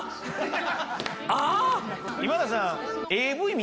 今田さん。